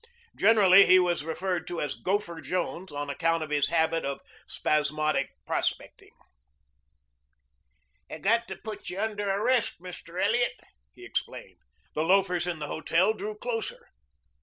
Generally he was referred to as Gopher Jones on account of his habit of spasmodic prospecting. "I got to put you under arrest, Mr. Elliot," he explained. The loafers in the hotel drew closer.